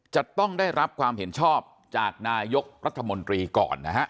จะต้องได้รับความเห็นชอบจากนายกรัฐมนตรีก่อนนะฮะ